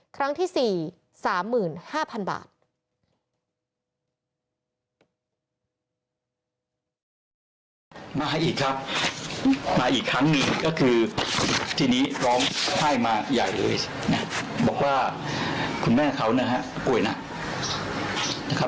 ครั้งที่๔๓๕๐๐๐บาท